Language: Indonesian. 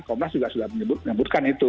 komnas juga sudah menyebutkan itu